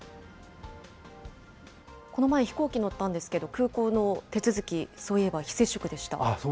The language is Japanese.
この前、飛行機乗ったんですけれども、空港の手続き、そういえば非接触でした。